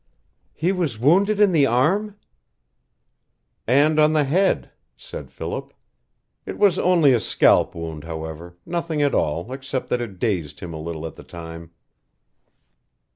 "He was wounded in the arm?" "And on the head," said Philip. "It was only a scalp wound, however nothing at all, except that it dazed him a little at the time."